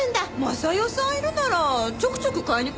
雅代さんいるならちょくちょく買いに来ようか。